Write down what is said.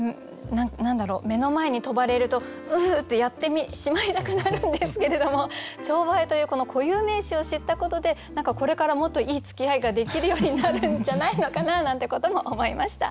何だろう目の前に飛ばれると「うう！」ってやってしまいたくなるんですけれどもチョウバエというこの固有名詞を知ったことで何かこれからもっといいつきあいができるようになるんじゃないのかななんてことも思いました。